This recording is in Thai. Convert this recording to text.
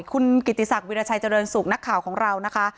คุณกิติศักดิราชัยเจริญสุขนักข่าวของเรานะคะ